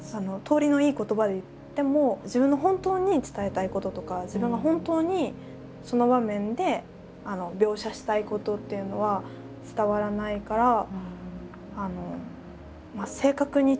通りのいい言葉で言っても自分の本当に伝えたいこととか自分が本当にその場面で描写したいことっていうのは伝わらないから。